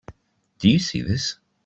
Do you see this?